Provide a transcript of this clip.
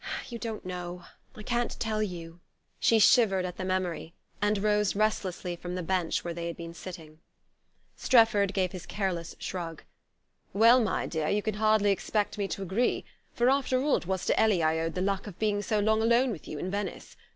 You don't know.... I can't tell you...." She shivered at the memory, and rose restlessly from the bench where they had been sitting. Strefford gave his careless shrug. "Well, my dear, you can hardly expect me to agree, for after all it was to Ellie I owed the luck of being so long alone with you in Venice.